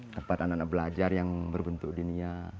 tempat anak anak belajar yang berbentuk dinia